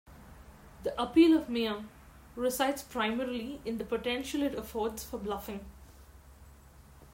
The appeal of Mia resides primarily in the potential it affords for bluffing.